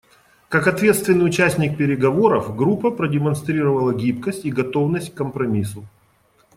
Как ответственный участник переговоров группа продемонстрировала гибкость и готовность к компромиссу.